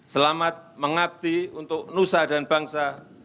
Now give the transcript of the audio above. selamat mengabdi untuk nusa dan bangsa